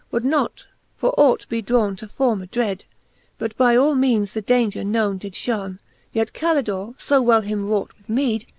Would not for ought be drawne to former drede. But by all meanes the daunger knowne did fhonne : Yet Calidore fo well him wrought with meed.